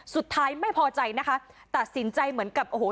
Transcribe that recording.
สุดท้ายไม่พอใจนะคะตัดสินใจเหมือนกับโอ้โห